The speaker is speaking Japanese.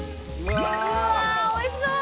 うわおいしそう！